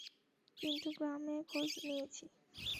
কিন্তু গ্রামে খোঁজ নিয়েছি।